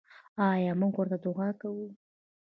آیا موږ ورته دعا کوو؟